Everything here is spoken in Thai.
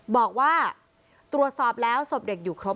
บอกว่าตรวจสอบแล้วศพเด็กอยู่ครบ